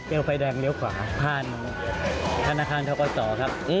เรียวไฟแดงเรียวขวาผ่านธนาคารเทาะต่อครับ